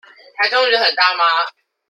臺中雨很大嗎？